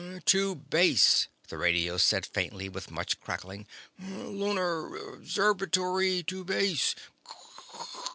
"... to base," the radio said faintly, with much crackling. "Lunar Observatory to base.